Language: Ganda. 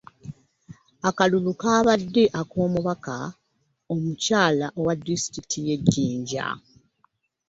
Akalulu kabadde ak'omubaka omukyala owa disitulikiti y'e Jinja.